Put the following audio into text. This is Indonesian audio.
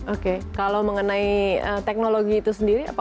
oke kalau mengenai teknologi itu sendiri